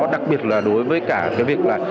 đặc biệt là đối với cả cái việc là